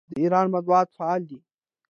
د ایران مطبوعات فعال دي.